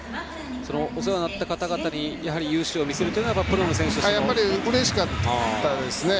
お世話になった方々に雄姿を見せるというのはうれしかったですね。